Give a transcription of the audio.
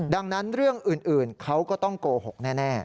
ดังนั้นเรื่องอื่นเขาก็ต้องโกหกแน่